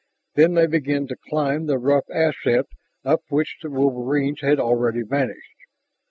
Then they began to climb the rough assent up which the wolverines had already vanished.